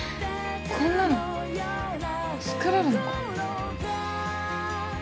こんなの作れるのか？